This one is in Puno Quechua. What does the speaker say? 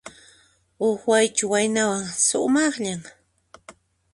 Huk Waychu waynawan, sumaqllan.